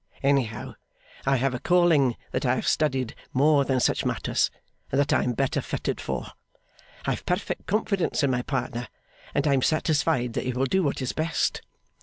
Anyhow, I have a calling that I have studied more than such matters, and that I am better fitted for. I have perfect confidence in my partner, and I am satisfied that he will do what is best.